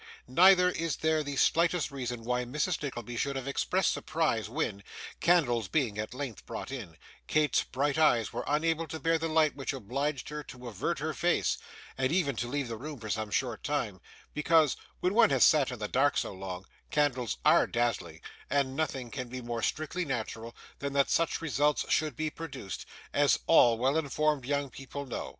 Neither is there the slightest reason why Mrs. Nickleby should have expressed surprise when, candles being at length brought in, Kate's bright eyes were unable to bear the light which obliged her to avert her face, and even to leave the room for some short time; because, when one has sat in the dark so long, candles ARE dazzling, and nothing can be more strictly natural than that such results should be produced, as all well informed young people know.